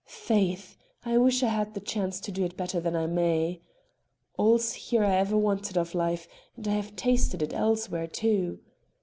Faith! I wish I had the chance to do it better than I may. All's here I ever wanted of life, and I have tasted it elsewhere, too.